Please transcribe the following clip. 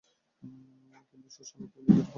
কিন্তু শশী অনেকদিন বিন্দুর কোনো খবর পায় নাই।